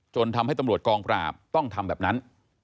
ทำให้ตำรวจกองปราบต้องทำแบบนั้น